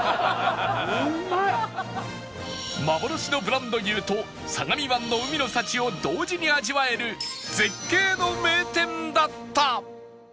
幻のブランド牛と相模湾の海の幸を同時に味わえる絶景の名店だった！